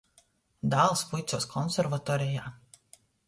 Dāls vuicuos konservatorejā.